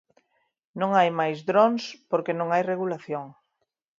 Non hai máis drons porque non hai regulación.